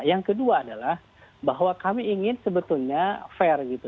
yang kedua adalah bahwa kami ingin sebetulnya fair gitu